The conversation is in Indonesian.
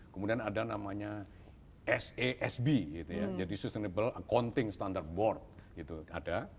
kemudian ada namanya sasb gitu ya jadi sustainable accounting standard board gitu ada